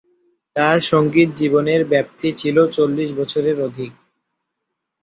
তার সঙ্গীত জীবনের ব্যপ্তি ছিল চল্লিশ বছরের অধিক।